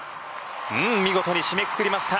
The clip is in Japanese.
見事に締めくくりました。